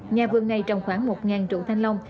nhà vườn này trồng khoảng một trụ thanh long